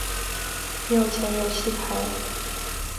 庙前有戏台。